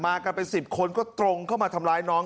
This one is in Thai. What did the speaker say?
มากันไปสิบคนก็ตรงเข้ามาทำร้ายน้อง